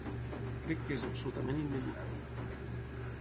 Crec que és absolutament indignant.